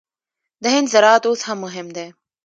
د هند زراعت اوس هم مهم دی.